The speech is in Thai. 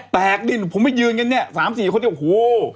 แปลกดินผมไม่ยืนกันเนี่ย๓๔คนเดียวโอ้โห